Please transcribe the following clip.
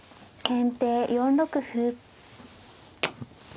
先手４六歩。